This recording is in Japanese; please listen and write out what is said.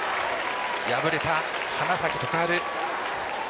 敗れた花咲徳栄。